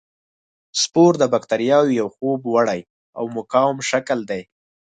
سپور د باکتریاوو یو خوب وړی او مقاوم شکل دی.